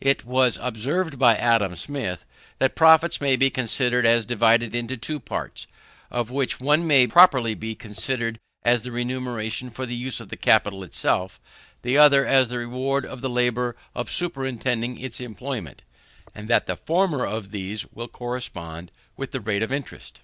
It was observed by Adam Smith, that profits may be considered as divided into two parts, of which one may properly be considered as the remuneration for the use of the capital itself, the other as the reward of the labour of superintending its employment; and that the former of these will correspond with the rate of interest.